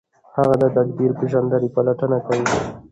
هغه د تقدیر پیژندنې پلټنه کوي.